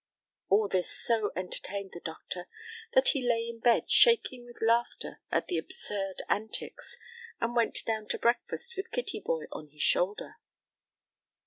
All this so entertained the doctor, that he lay in bed shaking with laughter at the absurd antics, and went down to breakfast with Kittyboy on his shoulder.